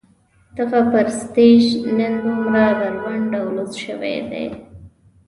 دغه پرستیژ نن دومره بربنډ او لوڅ شوی دی.